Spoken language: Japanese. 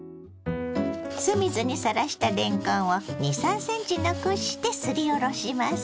酢水にさらしたれんこんを２３ｃｍ残してすりおろします。